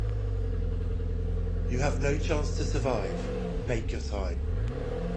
You have no chance to survive make your time.